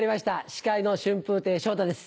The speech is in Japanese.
司会の春風亭昇太です。